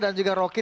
dan juga roky